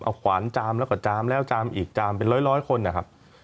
เอาขวานจามแล้วก็จามแล้วจามอีกจามเป็นร้อยคนนะครับ